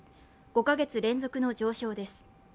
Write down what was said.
５カ月連続の上昇です。